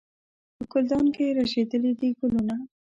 په ګلدان کې رژېدلي دي ګلونه